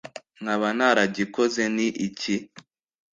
nkaba ntaragikoze ni iki